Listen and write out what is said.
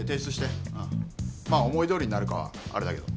まあ思いどおりになるかはあれだけど。